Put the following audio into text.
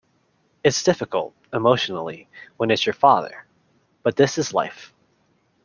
It's difficult, emotionally, when it's your father... but this is life.